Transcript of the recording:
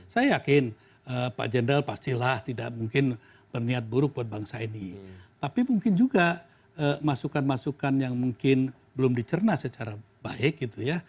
saya yakin pak jendral pastilah tidak mungkin berniat buruk buat bangsa ini tapi mungkin juga masukan masukan yang mungkin belum dicerna secara baik gitu ya